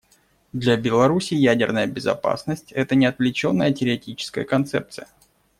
Для Беларуси ядерная безопасность — это не отвлеченная теоретическая концепция.